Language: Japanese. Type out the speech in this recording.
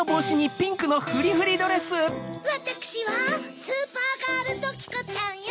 ・わたくしはスーパーガールドキコちゃんよ。